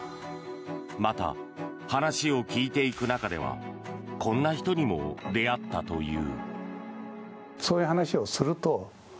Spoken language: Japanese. また、話を聞いていく中ではこんな人にも出会ったという。